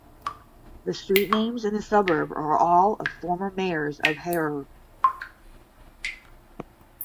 The street names in the suburb are all of former mayors of Harare.